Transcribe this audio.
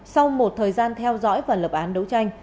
sau một thời gian theo dõi và lập án đấu tranh